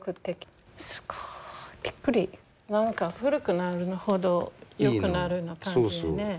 何か古くなるほどよくなるような感じでね。